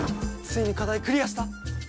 ついに課題クリアした？